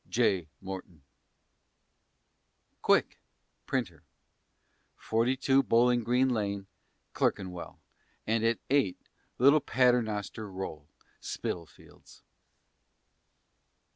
J. MORTON. QUICK, Printer, 42, Bowling Green Lane, Clerkenwell, and at 8, Little Paternoster Row, Spitalfields.